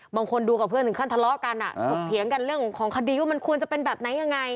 บางคนดูกับเพื่อนถึงขั้นทะเลาะกันถกเถียงกันเรื่องของคดีว่ามันควรจะเป็นแบบไหนยังไง